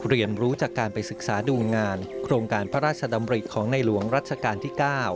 เรียนรู้จากการไปศึกษาดูงานโครงการพระราชดำริของในหลวงรัชกาลที่๙